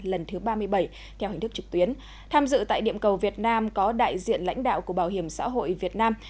lần thứ ba mươi bảy theo hình thức trực tuyến tham dự tại điểm cầu việt nam có đại diện lãnh đạo của bảo hiểm xã hội việt nam